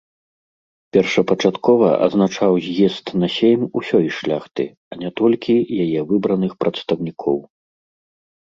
Першапачаткова азначаў з'езд на сейм усёй шляхты, а не толькі яе выбраных прадстаўнікоў.